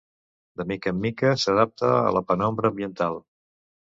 De mica en mica s'adapta a la penombra ambiental.